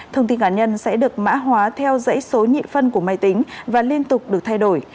thông tin cá nhân sẽ được mã hóa theo dãy số nhị phân của máy tính và liên tục được thay đổi